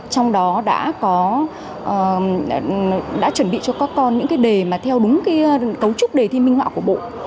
trong đó đã chuẩn bị cho các con những cái đề mà theo đúng cái cấu trúc đề thi minh họa của bộ